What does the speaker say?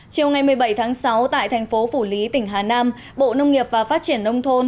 chiều ngày một mươi bảy tháng sáu tại thành phố phủ lý tỉnh hà nam bộ nông nghiệp và phát triển nông thôn